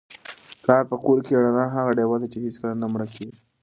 پلار په کور کي د رڼا هغه ډېوه ده چي هیڅکله نه مړه کیږي.